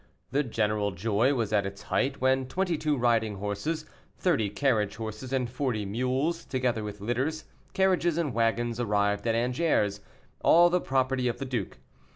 The general joy was at its height when twenty two riding horses, thirty carriage horses, and forty mules, together with litters, carriages and wagons, arrived at Angers, all the property of the duke.